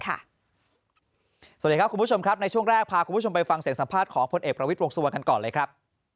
สวัสดีครับคุณผู้ชมครับในช่วงแรกพาคุณผู้ชมไปฟังเสียงสัมภาษณ์ของพลเอกประวิทย์วงสุวรรณกันก่อนเลยครับ